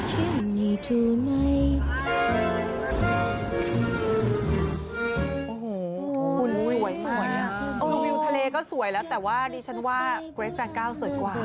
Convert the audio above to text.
คือวิวทะเลก็สวยแล้วแต่ว่าดิฉันว่าเกรท์แฟนกล้าวสวยกว่า